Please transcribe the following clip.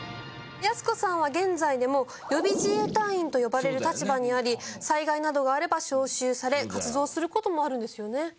やす子さんは現在でも予備自衛隊員と呼ばれる立場にあり災害などがあれば招集され活動する事もあるんですよね。